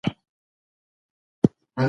ایا تسلي ورکول دومره دروند بار دی؟